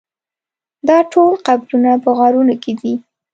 دا ټول قبرونه په غارونو کې دي.